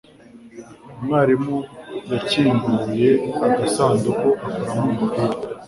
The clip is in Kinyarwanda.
Umwarimu yakinguye agasanduku akuramo umupira.